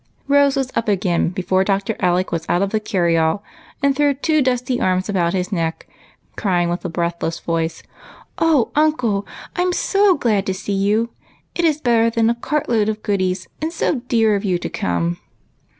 Rose was up again before Dr. Alec was out of the carryall, and threw two dusty arms about his neck, crying with a breathless voice, —" O uncle, I 'm so glad to see you ! It is better than a cart load of goodies, and so dear of you to come